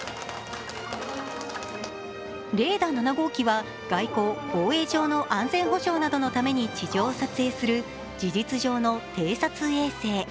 「レーダ７号機」は外交・防衛上の安全保障のために地上を撮影する事実上の偵察衛星。